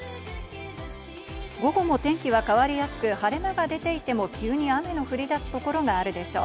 午後も天気は変わりやすく晴れ間が出ていても、急に雨の降り出す所があるでしょう。